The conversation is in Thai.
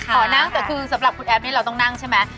ขอนั่งแต่คือสำหรับคุณแอฟเนี่ยเราต้องนั่งใช่ไหม